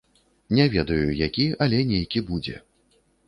Не ведаю які, але нейкі будзе.